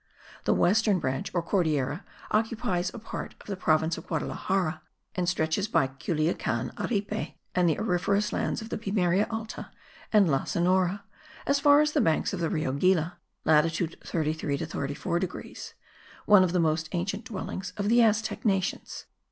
The western branch or Cordillera occupies a part of the province of Guadalajara and stretches by Culiacan, Aripe and the auriferous lands of the Pimeria Alta and La Sonora, as far as the banks of the Rio Gila (latitude 33 to 34 degrees), one of the most ancient dwellings of the Aztek nations.